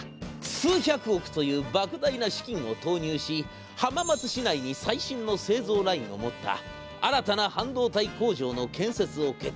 数百億というばく大な資金を投入し浜松市内に最新の製造ラインを持った新たな半導体工場の建設を決定。